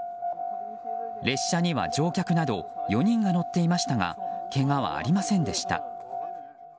列車には乗客など４人が乗っていましたがけがはありませんでした。